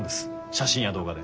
写真や動画で。